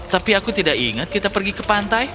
tapi aku tidak ingat kita pergi ke pantai